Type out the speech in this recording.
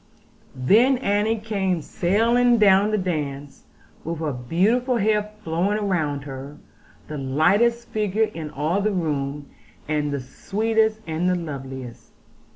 Then Annie came sailing down the dance, with her beautiful hair flowing round her; the lightest figure in all the room, and the sweetest, and the loveliest.